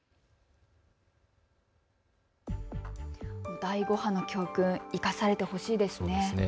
第５波の教訓、生かされてほしいですね。